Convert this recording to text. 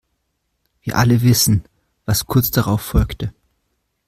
Wir alle wissen, was kurz darauf folgte.